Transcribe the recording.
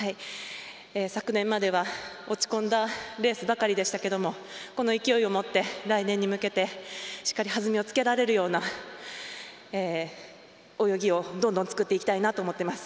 昨年までは落ち込んだレースばかりでしたけどこの勢いを持って、来年に向けてしっかり弾みをつけられるような泳ぎを、どんどん作っていきたいと思ってます。